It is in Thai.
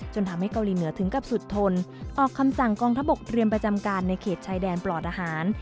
ทำให้เกาหลีเหนือถึงกับสุดทนออกคำสั่งกองทัพบกเตรียมประจำการในเขตชายแดนปลอดอาหาร